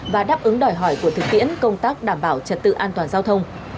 và đáp ứng đòi hỏi của thực tiễn công tác đảm bảo trật tự an toàn giao thông